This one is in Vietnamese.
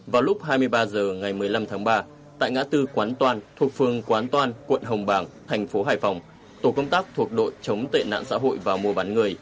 vào lúc hai mươi ba h ngày một mươi năm tháng ba tại ngã tư quán toàn thuộc phương quán toan quận hồng bàng thành phố hải phòng tổ công tác thuộc đội chống tệ nạn xã hội và mua bán người